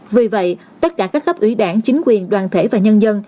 vì vậy tất cả các cấp ủy đảng chính quyền đoàn thể và nhân dân